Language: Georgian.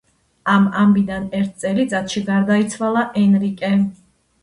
ამ ამბიდან ერთ წელიწადში გარდაიცვალა ენრიკე.